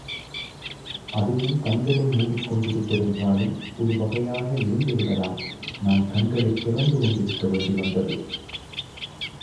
அதுவும் கண்களை மூடிக்கொண்டிருப்பதென்றாலும் ஒரு வகையாக இருந்து விடலாம் நான் கண்களைத் திறந்து கொண்டிருக்க வேண்டி வந்தது!